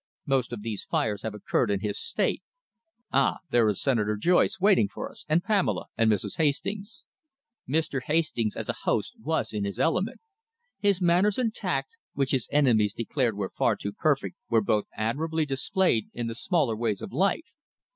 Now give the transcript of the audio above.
Most of these fires have occurred in his State.... Ah! there is Senator Joyce waiting for us, and Pamela and Mrs. Hastings." Mr. Hastings as a host was in his element. His manners and tact, which his enemies declared were far too perfect, were both admirably displayed in the smaller ways of life.